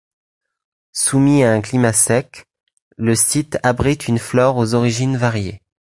Soumis à un climat sec, le site abrite une flore aux origines variées.